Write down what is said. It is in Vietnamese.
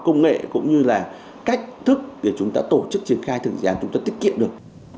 công nghệ cũng như là cách thức để chúng ta tổ chức triển khai thực dự án chúng ta tiết kiệm được